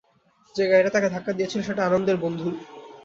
যে গাড়িটা তাকে ধাক্কা দিয়েছিল সেটা আনন্দের বন্ধুর।